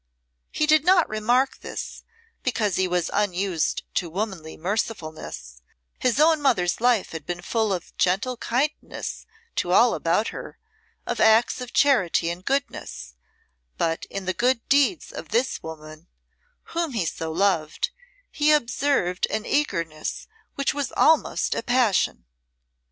He did not remark this because he was unused to womanly mercifulness; his own mother's life had been full of gentle kindness to all about her, of acts of charity and goodness, but in the good deeds of this woman, whom he so loved, he observed an eagerness which was almost a passion.